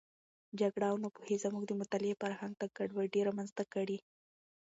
جګړه او ناپوهي زموږ د مطالعې فرهنګ ته ګډوډي رامنځته کړې.